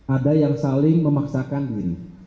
ada yang saling memaksakan diri